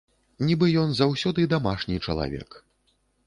Нібы ён заўсёды дамашні чалавек.